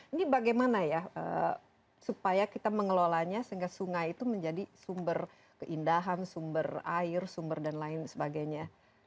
ini bagaimana ya supaya kita mengelolanya sehingga sungai itu menjadi sumber keindahan sumber air sumber dan lain sebagainya